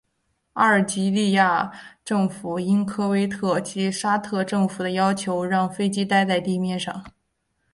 阿尔及利亚政府应科威特及沙特政府的要求让飞机待在地面上。